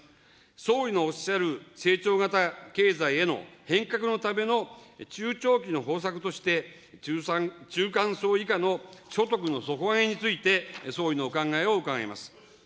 総理のおっしゃる成長型経済への変革のための中長期の方策として、中間層以下の所得の底上げについて、総理のお考えを伺います。